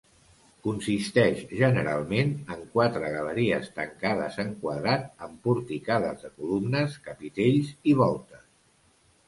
Consisteix generalment en quatre galeries tancades en quadrat amb porticades de columnes, capitells i voltes.